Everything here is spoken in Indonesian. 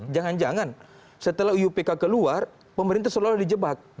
jangan jangan setelah iupk keluar pemerintah selalu dijebak